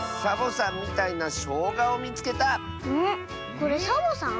これサボさん？